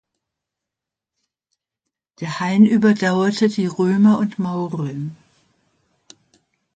Der Hain überdauerte die Römer und Mauren.